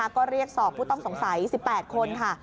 ก็เรียกสอบผู้ต้องสงสัย๑๘คนค่ะ